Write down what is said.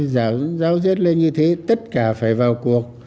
giáo diết lên như thế tất cả phải vào cuộc